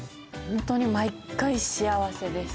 ホントに毎回幸せです。